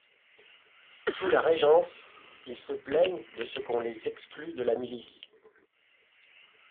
Sous la Régence, ils se plaignent de ce qu'on les exclut de la milice.